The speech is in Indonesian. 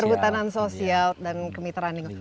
kehutanan sosial dan kemitraan lingkungan